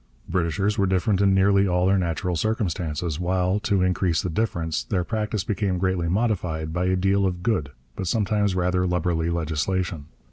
Britishers were different in nearly all their natural circumstances, while, to increase the difference, their practice became greatly modified by a deal of good but sometimes rather lubberly legislation.